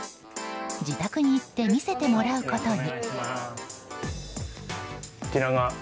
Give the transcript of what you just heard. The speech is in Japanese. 自宅に行って見せてもらうことに。